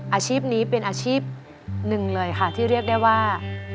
อาชีพนี้เป็นอาชีพหนึ่งเลยค่ะที่เรียกได้ว่า